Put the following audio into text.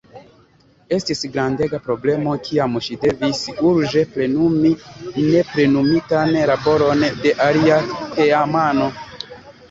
Estis grandega problemo kiam ŝi devis “urĝe plenumi neplenumitan laboron de alia teamano.